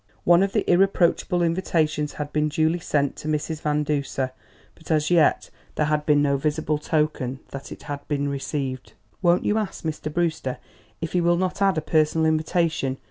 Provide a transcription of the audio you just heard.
One of the irreproachable invitations had been duly sent to Mrs. Van Duser; but as yet there had been no visible token that it had been received. "Won't you ask Mr. Brewster if he will not add a personal invitation?"